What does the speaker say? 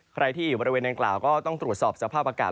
ใครที่อยู่บริเวณดังกล่าวก็ต้องตรวจสอบสภาพอากาศ